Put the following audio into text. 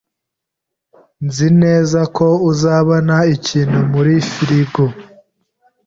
Nzi neza ko uzabona ikintu muri firigo.